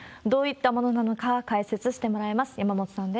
どういったものなのか、解説してもらいます。